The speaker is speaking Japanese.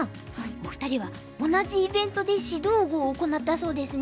お二人は同じイベントで指導碁を行ったそうですね。